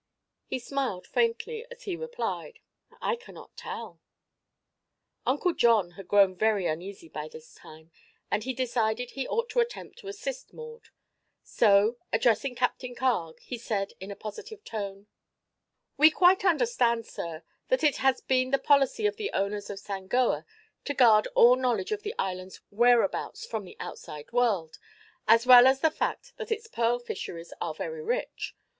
He smiled faintly as he replied: "I cannot tell." Uncle John had grown very uneasy by this time and he decided he ought to attempt to assist Maud. So, addressing Captain Carg, he said in a positive tone: "We quite understand, sir, that it has been the policy of the owners of Sangoa to guard all knowledge of the island's whereabouts from the outside world, as well as the fact that its pearl fisheries are very rich.